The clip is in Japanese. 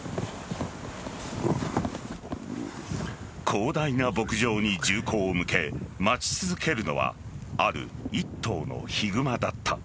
広大な牧場に銃口を向け待ち続けるのはある一頭のヒグマだった。